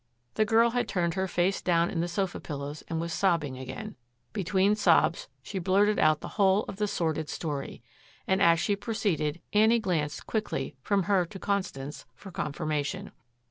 The girl had turned her face down in the sofa pillows and was sobbing again. Between sobs she blurted out the whole of the sordid story. And as she proceeded, Annie glanced quickly from her to Constance, for confirmation.